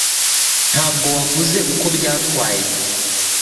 Ntabwo wavuze uko byatwaye.